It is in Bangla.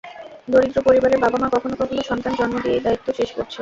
দরিদ্র পরিবারে বাবা-মা কখনো কখনো সন্তান জন্ম দিয়েই দায়িত্ব শেষ করছে।